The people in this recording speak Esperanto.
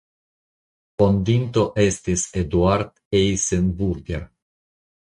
Fondinto estis Eduard Eisenburger.